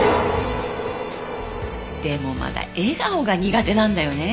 でもまだ笑顔が苦手なんだよね。